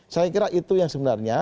saya kira itu yang sebenarnya